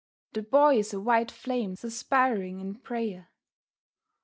The Boy is a white flame suspiring in prayer.